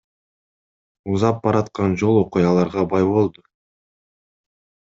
Узап бараткан жыл окуяларга бай болду.